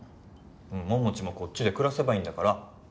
桃地もこっちで暮らせばいいんだから。